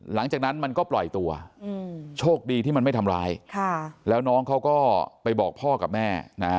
หลังจากนั้นมันก็ปล่อยตัวโชคดีที่มันไม่ทำร้ายแล้วน้องเขาก็ไปบอกพ่อกับแม่